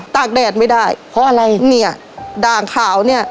ตากแดดไม่ได้เพราะอะไรเนี่ยด่างขาวเนี่ย